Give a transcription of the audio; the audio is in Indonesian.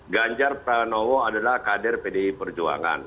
ganjar pranowo adalah kader pdi perjuangan